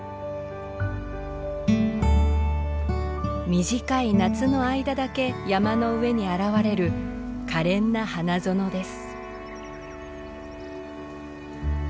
短い夏の間だけ山の上に現れる可憐な花園です。